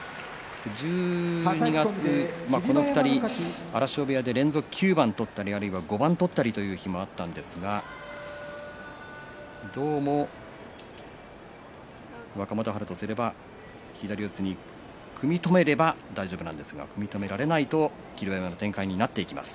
１２月この２人荒汐部屋で連続９番取ったり５番取ったりという日もあったんですがどうも若元春とすれば左四つに組み止めれば大丈夫なんですが組み止められないと霧馬山の展開になってきます。